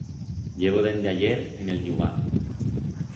Llevo dende ayer en el llugar.